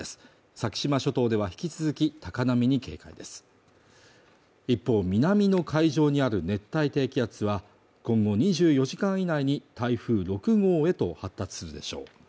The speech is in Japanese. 先島諸島では引き続き高波に警戒です一方、南の海上にある熱帯低気圧は今後２４時間以内に台風６号へと発達するでしょう